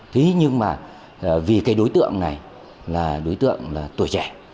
thế nhưng mà vì cái đối tượng này là đối tượng là tuổi trẻ